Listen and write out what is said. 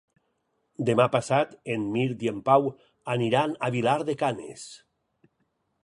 Demà passat en Mirt i en Pau aniran a Vilar de Canes.